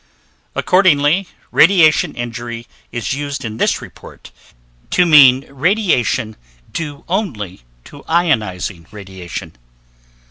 Accordingly, radiation injury is used in this report to mean injury due only to ionizing radiation.